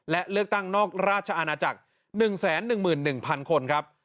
และเลือกตั้งนอกราชอาณาจักร๑๑๑๐๐คนครับ